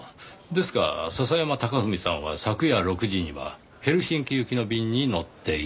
ですが笹山隆文さんは昨夜６時にはヘルシンキ行きの便に乗っていた。